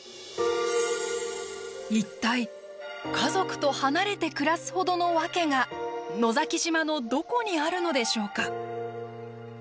一体家族と離れて暮らすほどの訳が野崎島のどこにあるのでしょうか？